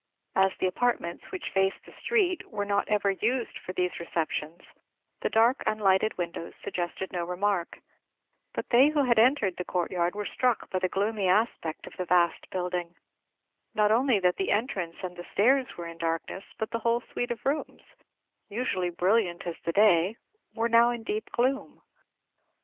As the apartments which faced the street were not ever used for these receptions, the dark unlighted windows suggested no remark; but they who had entered the courtyard were struck by the gloomy aspect of the vast building: not only that the entrance and the stairs were in darkness, but the whole suite of rooms, usually brilliant as the day, were now in deep gloom.